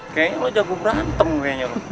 kayaknya lo jago berantem kayaknya loh